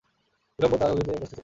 বিল্বন তাঁহার নিকটে উপস্থিত হইলেন।